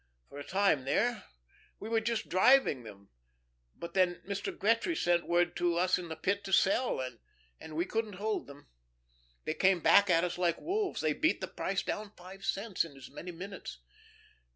For a time there, we were just driving them. But then Mr. Gretry sent word to us in the Pit to sell, and we couldn't hold them. They came back at us like wolves; they beat the price down five cents, in as many minutes.